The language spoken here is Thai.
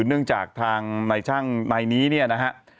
เนื่องจากทางนายช่างนายนี้เนี่ยนะฮะ